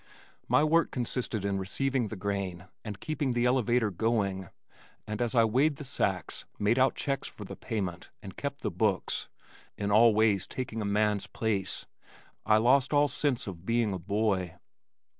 My work consisted in receiving the grain and keeping the elevator going and as I weighed the sacks, made out checks for the payment and kept the books in all ways taking a man's place, I lost all sense of being a boy.